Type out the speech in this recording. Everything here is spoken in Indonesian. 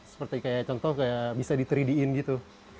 seperti kayak contoh kayak bisa di tiga d in gitu